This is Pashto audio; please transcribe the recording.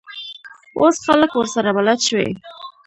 اوس خلک ورسره بلد شوي.